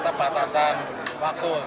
tanpa batasan waktu